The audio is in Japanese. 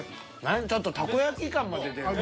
ちょっとたこ焼き感が出てる。